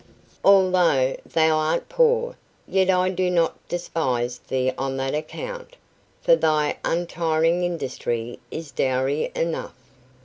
Although thou art poor, yet I do not despise thee on that account, for thy untiring industry is dowry enough."